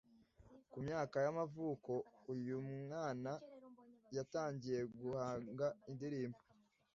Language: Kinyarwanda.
ku myaka y’amavuko uyu mwana yatangiye guhanga indirimbo